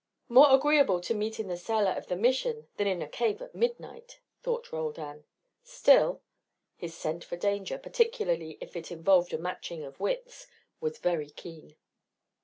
"More agreeable to meet in the sala of the Mission than in a cave at midnight," thought Roldan. "Still " His scent for danger, particularly if it involved a matching of wits, was very keen.